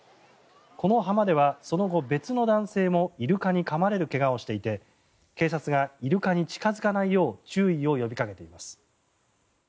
この浜ではその後、別の男性もイルカにかまれる怪我をしていて警察がイルカに近付かないよう注意を呼びかけています。